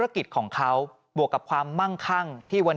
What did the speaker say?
ปี๖๕วันเกิดปี๖๔ไปร่วมงานเช่นเดียวกัน